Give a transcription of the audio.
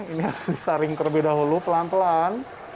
ini harus disaring terlebih dahulu pelan pelan